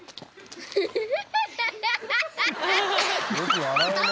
よく笑うね。